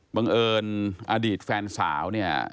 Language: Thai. บังเอิญอดีตแฟนสาว